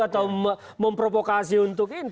atau memprovokasi untuk ini